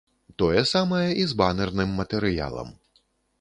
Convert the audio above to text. Тое самае і з банэрным матэрыялам.